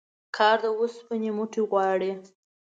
کار د اوسپني موټي غواړي